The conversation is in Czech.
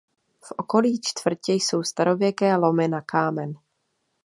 V okolí čtvrtě jsou starověké lomy na kámen.